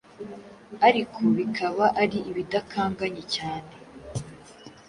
ariko bikaba ari ibidakanganye cyane